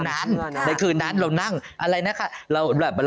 ในคืนนั้นเรานั่งอะไรนะคะ